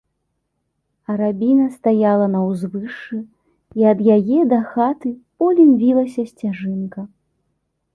Арабіна стаяла на ўзвышшы, і ад яе да хаты полем вілася сцяжынка.